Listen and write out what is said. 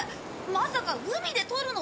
まさか海でとるの？